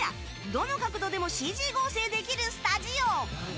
どの角度でもＣＧ合成できるスタジオ。